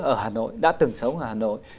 ở hà nội đã từng sống ở hà nội